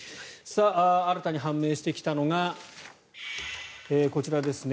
新たに判明してきたのがこちらですね